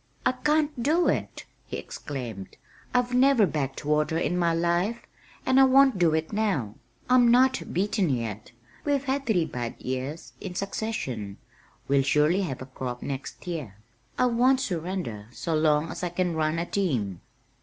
"I can't do it!" he exclaimed. "I've never 'backed water' in my life, and I won't do it now. I'm not beaten yet. We've had three bad years in succession we'll surely have a crop next year. I won't surrender so long as I can run a team."